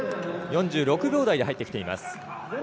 ４６秒台で入ってきています。